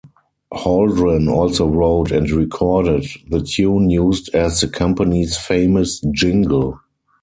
Hauldren also wrote and recorded the tune used as the company's famous jingle.